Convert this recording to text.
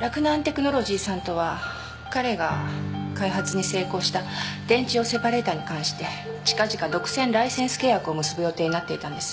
洛南テクノロジーさんとは彼が開発に成功した電池用セパレータに関して近々独占ライセンス契約を結ぶ予定になっていたんです。